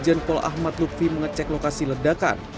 pada saat ini kejadian pol ahmad lutfi mengecek lokasi ledakan